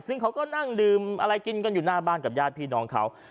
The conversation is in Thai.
ซึ่งเขาก็นั่งดื่มอะไรกินกันอยู่หน้าบ้านกับญาติพี่น้องเขา